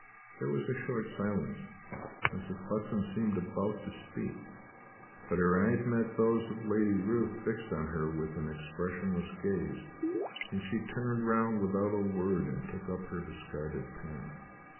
There was a short silence; Mrs. Clutsam seemed about to speak, but her eyes met those of Lady Ruth fixed on her with an expressionless gaze, and she turned round without a word and took up her discarded pen.